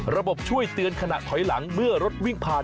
ช่วยเตือนขณะถอยหลังเมื่อรถวิ่งผ่าน